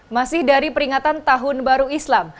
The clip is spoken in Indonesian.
masih dari peringatan tahun baru islam